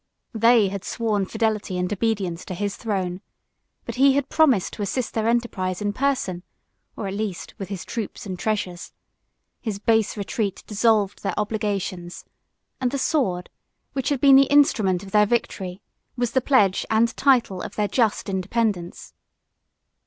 They had sworn fidelity and obedience to his throne; but he had promised to assist their enterprise in person, or, at least, with his troops and treasures: his base retreat dissolved their obligations; and the sword, which had been the instrument of their victory, was the pledge and title of their just independence.